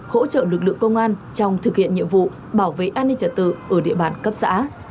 hỗ trợ lực lượng công an trong thực hiện nhiệm vụ bảo vệ an ninh trật tự ở địa bàn cấp xã